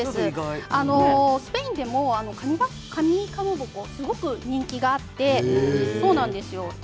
スペインでもカニかまぼこはすごく人気があるんです。